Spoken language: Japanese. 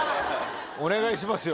お願いしますよ。